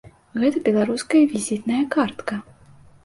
Гэта беларуская візітная картка.